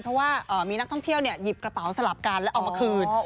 เพราะว่ามีนักท่องเที่ยวหยิบกระเป๋าสลับกันแล้วเอามาคืน